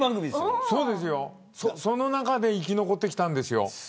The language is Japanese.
その中で生き残ってきたんです。